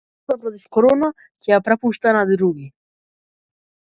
Битката против корона ќе ја препушта на други